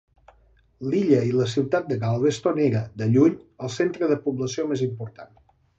L'illa i la ciutat de Galveston era, de lluny, el centre de població més important.